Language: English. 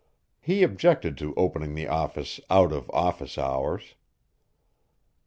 He objected to opening the office "out of office hours."